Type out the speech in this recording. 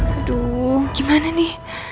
aduh gimana nih